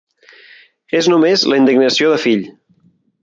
És només la indignació de fill.